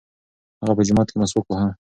هغه په جومات کې مسواک واهه.